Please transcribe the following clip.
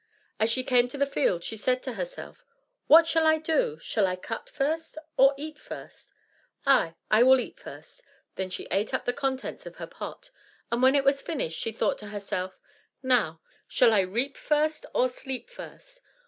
As she came to the field she said to herself, "What shall I do? Shall I cut first, or eat first? Ay, I will eat first!" Then she ate up the contents of her pot, and when it was finished, she thought to herself, "Now, shall I reap first or sleep first?